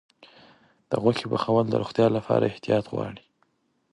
د غوښې پخول د روغتیا لپاره احتیاط غواړي.